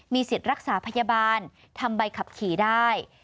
สิทธิ์รักษาพยาบาลทำใบขับขี่ได้